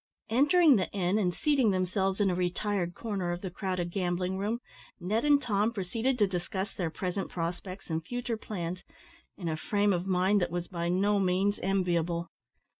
Entering the inn, and seating themselves in a retired corner of the crowded gambling room, Ned and Tom proceeded to discuss their present prospects and future plans in a frame of mind that was by no means enviable.